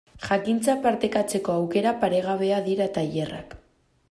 Jakintza partekatzeko aukera paregabea dira tailerrak.